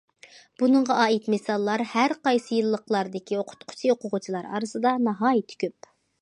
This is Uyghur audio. بۇنىڭغا ئائىت مىساللار ھەر قايسى يىللىقلاردىكى ئوقۇتقۇچى، ئوقۇغۇچىلار ئارىسىدا ناھايىتى كۆپ.